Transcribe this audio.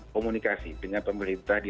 komunikasi dengan pemerintah di